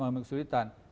ini memang kesulitan